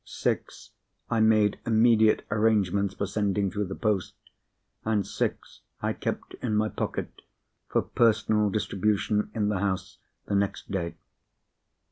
Six I made immediate arrangements for sending through the post, and six I kept in my pocket for personal distribution in the house the next day.